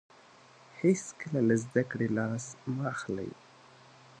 هیڅکله له زده کړې لاس مه اخلئ.